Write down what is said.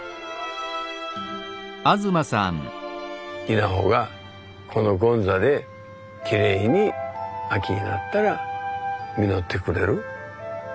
稲穂がこの権座できれいに秋になったら実ってくれる。